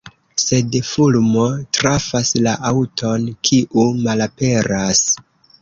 Sed fulmo trafas la aŭton, kiu malaperas.